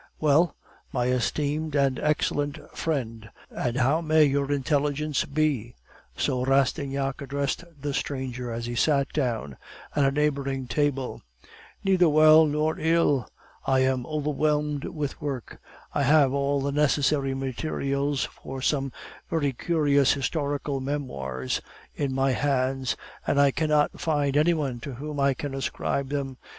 "'Well, my esteemed and excellent friend, and how may Your Intelligence be?' So Rastignac addressed the stranger as he sat down at a neighboring table. "'Neither well nor ill; I am overwhelmed with work. I have all the necessary materials for some very curious historical memoirs in my hands, and I cannot find any one to whom I can ascribe them.